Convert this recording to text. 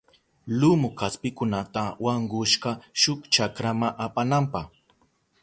Lumu kaspikunata wankushka shuk chakrama apananpa.